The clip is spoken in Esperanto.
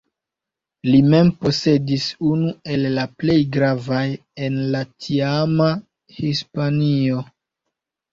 Li mem posedis unu el la plej gravaj en la tiama Hispanio.